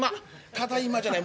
「ただいまじゃない。